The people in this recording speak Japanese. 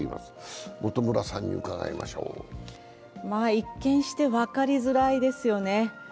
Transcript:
一見して分かりづらいですよね。